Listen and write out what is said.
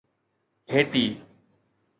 Haiti